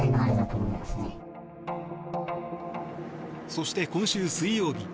そして今週水曜日。